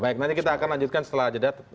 baik nanti kita akan lanjutkan setelah jeda